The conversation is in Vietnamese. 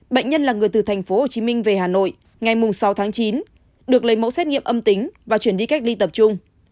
bệnh nhân là người từ thành phố hồ chí minh về hà nội ngày sáu tháng chín được lấy mẫu xét nghiệm âm tính và chuyển đi cách ly tập trung